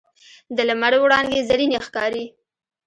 د لمر وړانګې زرینې ښکاري